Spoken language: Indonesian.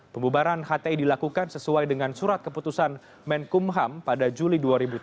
pembubaran hti dilakukan sesuai dengan surat keputusan menkumham pada juli dua ribu tujuh belas